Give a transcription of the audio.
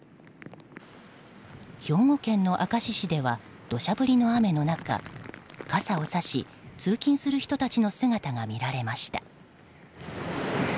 兵庫県明石市では土砂降りの雨の中傘をさし、通勤する人たちの姿が見られました。